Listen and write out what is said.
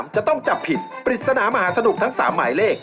จะต้องจับผิดปริศนามหาสนุกทั้ง๓หมายเลข